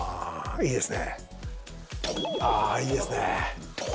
いいですね。